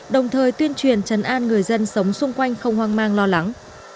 đồng thời tuyên truyền chấn an người dân sống xung quanh không hoang mang lo lắng